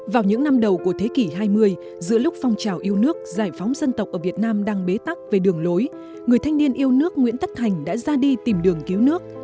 vào những năm đầu của thế kỷ hai mươi giữa lúc phong trào yêu nước giải phóng dân tộc ở việt nam đang bế tắc về đường lối người thanh niên yêu nước nguyễn tất thành đã ra đi tìm đường cứu nước